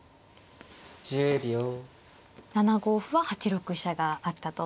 ７五歩は８六飛車があったと。